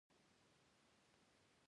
د تولیدي اقتصاد په لور روان یو؟